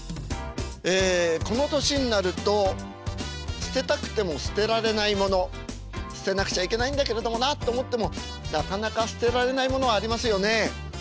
ええこの年になると捨てたくても捨てられないもの捨てなくちゃいけないんだけれどもなと思ってもなかなか捨てられないものありますよね。